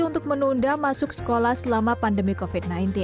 untuk menunda masuk sekolah selama pandemi covid sembilan belas